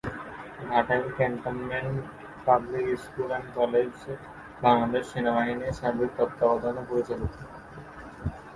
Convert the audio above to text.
Ghatail cantonment public school and college Bangladesh সেনাবাহিনীর সার্বিক তত্ত্বাবধানে পরিচালিত।